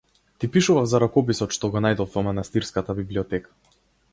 Ти пишував за ракописот што го најдов во манастирската библиотека.